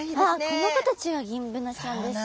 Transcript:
この子たちがギンブナちゃんですか？